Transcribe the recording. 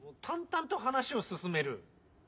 淡々と話を進める。